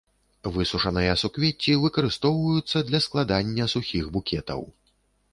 Высушаныя суквецці выкарыстоўваюцца для складання сухіх букетаў.